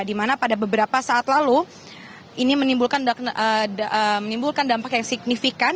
di mana pada beberapa saat lalu ini menimbulkan dampak yang signifikan